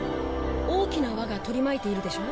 大きな輪が取り巻いているでしょ？